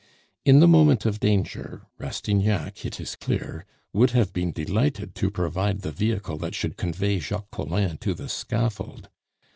In the moment of danger, Rastignac, it is clear, would have been delighted to provide the vehicle that should convey Jacques Collin to the scaffold.